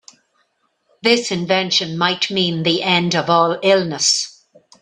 This invention might mean the end of all illness.